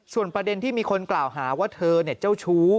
ส่วนประเด็นที่มีคนกล่าวหาว่าเธอเจ้าชู้